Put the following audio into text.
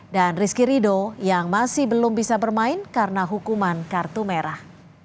dan rizky rido yang masih belum bisa bermain karena hukuman kartu merah